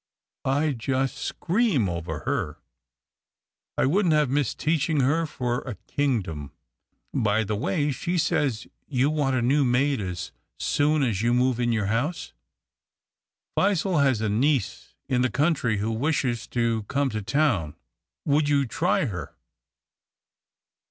I just scream over her. I wouldn't have missed teaching her for a kingdom. By the way, she says you want a new maid as soon as you move in your house. Phizelle has a niece THE TORRAINES 343 in the country who wishes to come to town. Would you try her